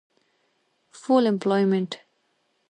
Full Employment